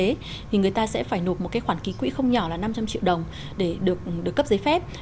thì người ta sẽ phải nộp một cái khoản ký quỹ không nhỏ là năm trăm linh triệu đồng để được cấp giấy phép